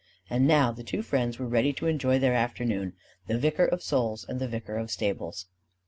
And now the two friends were ready to enjoy their afternoon the vicar of souls and the vicar of the stables.